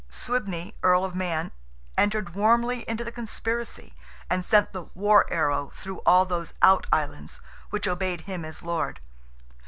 Suibne, Earl of Man, entered warmly into the conspiracy, and sent the "war arrow" through all those "out islands" which obeyed him as Lord.